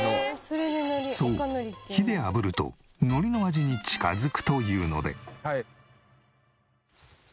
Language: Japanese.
そう火で炙ると海苔の味に近づくというので。